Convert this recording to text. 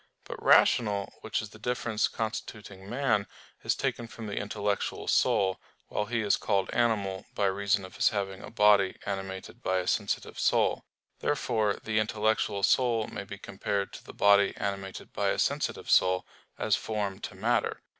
But "rational," which is the difference constituting man, is taken from the intellectual soul; while he is called "animal" by reason of his having a body animated by a sensitive soul. Therefore the intellectual soul may be compared to the body animated by a sensitive soul, as form to matter.